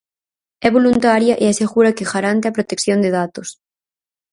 É voluntaria e asegura que garante a protección de datos.